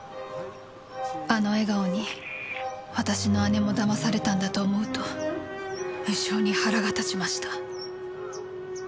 「あの笑顔に私の姉も騙されたんだと思うと無性に腹が立ちました」